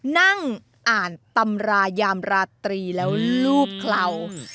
นั่งอ่านตำรายามราตรีแล้วลูบเคลา